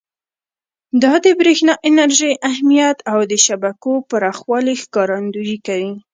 دا د برېښنا انرژۍ اهمیت او د شبکو پراخوالي ښکارندویي کوي.